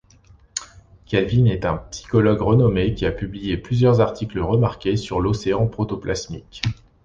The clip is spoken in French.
Kelvin est un psychologue renommé qui a publié plusieurs articles remarqués sur l'océan protoplasmique.